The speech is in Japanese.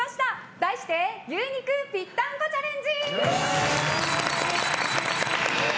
題して牛肉ぴったんこチャレンジ！